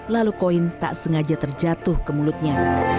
lalu koin tak sengaja terjatuh ke mulutnya